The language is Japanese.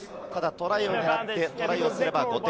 トライを狙って、トライすれば５点。